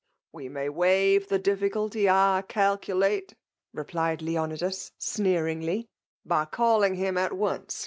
'' We may waive the dilBSculty, I calculate," replied Xjeonidas^ sneeringly, by calling him, at once.